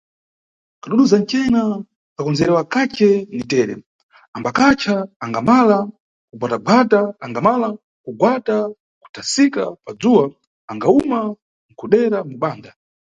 Kadududza ncena, kakondzerwa kace ni tere, ambakacha, angamala nkugwatagwata, angamala kugwata kuthasika padzuwa angawuma nkudera mubanda.